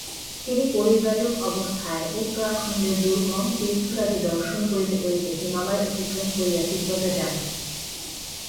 তিনি পরিব্রাজক অবস্থায় উত্তরাখণ্ডের দুর্গম তীর্থরাজি দর্শন করিতে করিতে হিমালয় অতিক্রম করিয়া তিব্বতে যান।